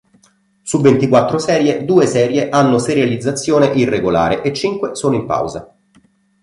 Su ventiquattro serie, due serie hanno serializzazione irregolare e cinque sono in pausa.